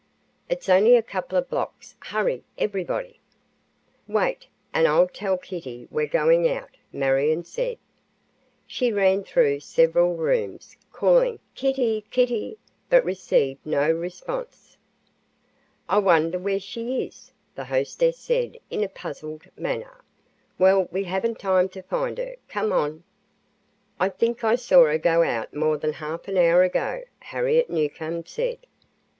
It's only a couple of blocks. Hurry, everybody!" "Wait, and I'll tell Kitty we're going out," Marion said. She ran through several rooms, calling "Kittie! Kittie!" but received no response. "I wonder where she is," the hostess said, in a puzzled manner. "Well, we haven't time to find her. Come on." "I think I saw her go out more than half an hour ago," Harriet Newcomb said.